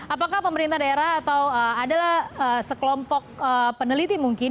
apakah pemerintah daerah atau adalah sekelompok peneliti mungkin